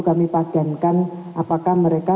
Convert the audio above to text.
kami padankan apakah mereka